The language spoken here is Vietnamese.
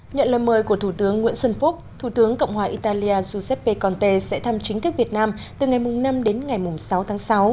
nhận lời mời của thủ tướng nguyễn xuân phúc thủ tướng cộng hòa italia giuseppe conte sẽ thăm chính thức việt nam từ ngày năm đến ngày sáu tháng sáu